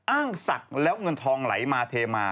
อ้างศักดิ์แล้วเงินทองไหลมาเทมา